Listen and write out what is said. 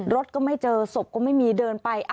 รถก็ไม่เจอศพก็ไม่มีเดินไป